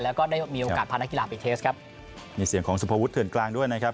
แล้วก็ได้มีโอกาสพานักกีฬาไปเทสครับมีเสียงของสุภวุฒเถื่อนกลางด้วยนะครับ